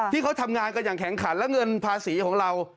ที่เขาทำงานกันอย่างแข็งขันและเงินภาษีของเรา